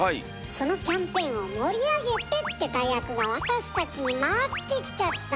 そのキャンペーンを盛り上げて！って大役が私たちに回ってきちゃったのよ。